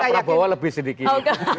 pak prabowo lebih sedikit